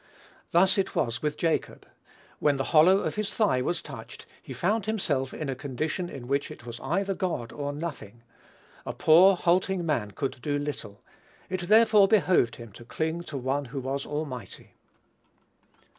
Thus it was with Jacob. When the hollow of his thigh was touched he found himself in a condition in which it was either God or nothing. A poor halting man could do little: it therefore behoved him to cling to one who was almighty.